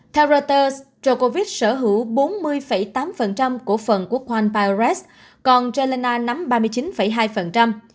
theo reuters djigovic sở hữu bốn mươi tám cổ phần của quam biores còn jelena nắm ba mươi chín hai